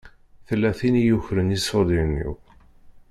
Tella tin i yukren iṣuṛdiyen-iw.